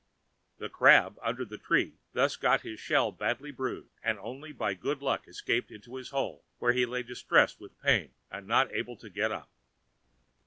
The Crab under the tree thus got his shell badly bruised, and only by good luck escaped into his hole, where he lay distressed with pain, and not able to get up.